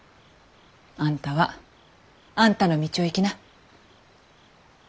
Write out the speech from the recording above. あんたはあんたの道を行きな。